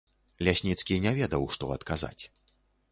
Лясніцкі не ведаў, што адказаць.